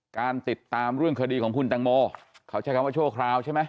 การติดตามเรื่องคดีของคุณตังโมเขาใช้คำว่าชั่วคราวใช่ไหม